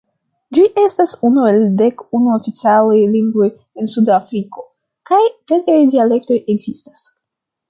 Ĝi estas unu el dek unu oficialaj lingvoj en Sud-Afriko, kaj kelkaj dialektoj ekzistas.